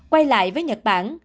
quay lại với nhật bản